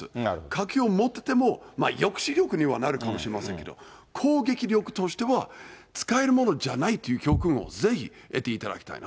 核を持ってても、抑止力にはなるかもしれませんけれども、攻撃力としては、使えるものじゃないという教訓をぜひ得ていただきたい